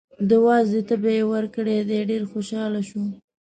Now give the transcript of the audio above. د وازدې تبی یې ورکړی دی، ډېر خوشحاله شو.